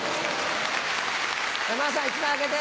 山田さん１枚あげて。